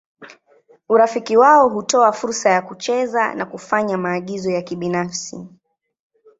Urafiki wao hutoa fursa ya kucheza na kufanya maagizo ya kibinafsi.